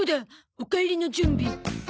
おかえりの準備。